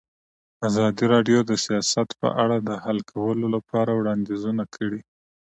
ازادي راډیو د سیاست په اړه د حل کولو لپاره وړاندیزونه کړي.